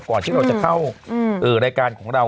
ที่เราจะเข้ารายการของเรา